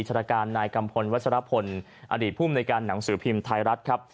ราชการนายกัมพลวัชรพลอดีตภูมิในการหนังสือพิมพ์ไทยรัฐครับ